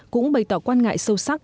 cũng bày tỏ quan ngại sâu sắc